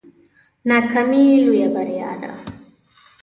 ناکامي لویه بریا ده